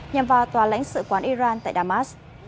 nhằm vào tòa lãnh sự quán iran tại damas